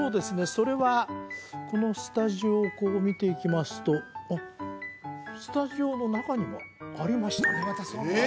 それはこのスタジオをこう見ていきますとスタジオの中にもありましたねええっ！